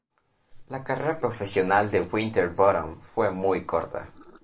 La carrera profesional de Winterbottom fue muy corta.